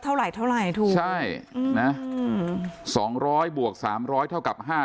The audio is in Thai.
เท่าไหร่เท่าไหร่ถูกใช่น่ะสองร้อยบวกสามร้อยเท่ากับห้า